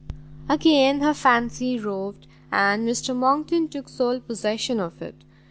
Again her fancy roved, and Mr Monckton took sole possession of it.